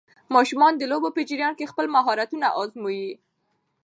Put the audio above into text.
ماشومان د لوبو په جریان کې خپل مهارتونه ازمويي.